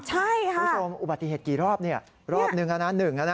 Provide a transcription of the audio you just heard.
ใช่ค่ะคุณผู้ชมอุบัติเหตุกี่รอบนี่รอบหนึ่งนะหนึ่งนะนะ